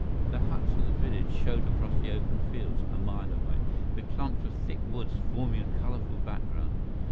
The huts of the village showed across the open fields, a mile away, with clumps of thick woods forming a colorful background.